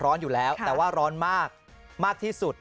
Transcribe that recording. ร้อนอยู่แล้วแต่ว่าร้อนมากมากที่สุด